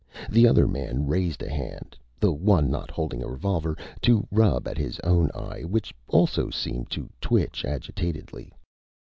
The other man raised a hand the one not holding a revolver to rub at his own eye, which also seemed to twitch agitatedly.